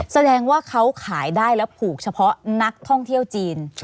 แสดงว่าเขาขายได้แล้วผูกเฉพาะนักท่องเที่ยวจีน